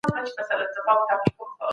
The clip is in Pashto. قدرت یوازې د خدای لپاره دی.